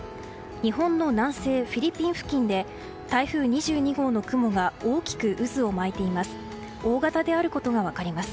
日本の南西、フィリピン付近で台風２２号の雲が大きく渦を巻いています。